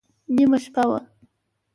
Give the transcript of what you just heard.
نیمه شپه وه.